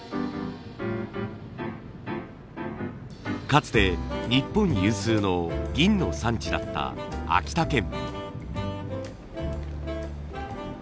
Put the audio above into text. かつて日本有数の銀の産地だった秋田県。